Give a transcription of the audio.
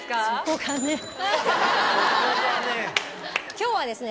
今日はですね。